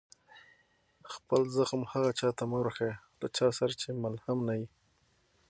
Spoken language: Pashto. خپل زخم هغه چا ته مه ورښيه، له چا سره چي ملهم نه يي.